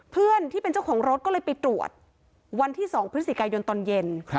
ที่เป็นเจ้าของรถก็เลยไปตรวจวันที่๒พฤศจิกายนตอนเย็น